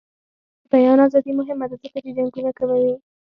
د بیان ازادي مهمه ده ځکه چې جنګونه کموي.